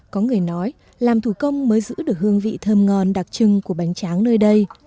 có người nói làm thủ công mới giữ được hương vị thơm ngon đặc trưng của bánh tráng nơi đây